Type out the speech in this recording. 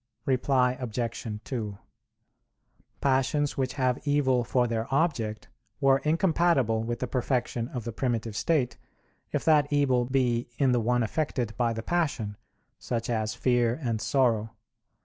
Reply Obj. 2: Passions which have evil for their object were incompatible with the perfection of the primitive state, if that evil be in the one affected by the passion; such as fear and sorrow.